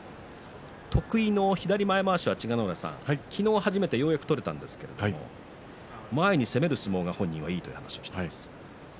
得意の左前まわしが昨日初めてようやく取れたんですけど前に攻める相撲が本人はいいと話をしています。